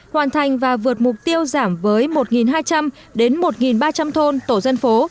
hoàn thành và vượt mục tiêu giảm với một hai trăm linh đến một ba trăm linh thôn tổ dân phố